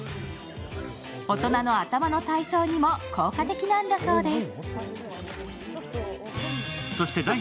大人の頭の体操にも効果的なんだそうです。